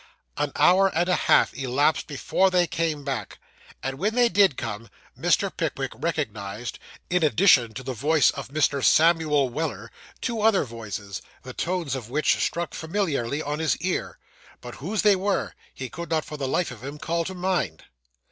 An hour and a half elapsed before they came back, and when they did come, Mr. Pickwick recognised, in addition to the voice of Mr. Samuel Weller, two other voices, the tones of which struck familiarly on his ear; but whose they were, he could not for the life of him call to mind.